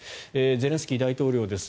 ゼレンスキー大統領です。